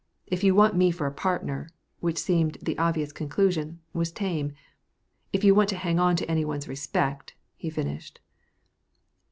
"If you want me for a partner," which seemed the obvious conclusion, was tame. "If you want to hang on to any one's respect," he finished.